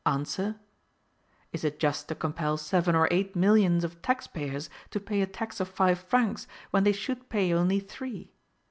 ANSWER. Is it just to compel seven or eight millions of tax payers to pay a tax of five francs, when they should pay only three?